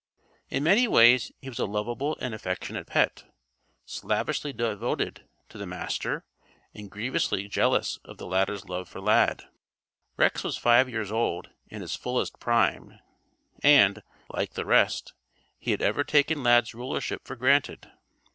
In many ways he was a lovable and affectionate pet; slavishly devoted to the Master and grievously jealous of the latter's love for Lad. Rex was five years old in his fullest prime and, like the rest, he had ever taken Lad's rulership for granted.